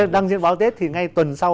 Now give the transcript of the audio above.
đăng trên báo tết thì ngay tuần sau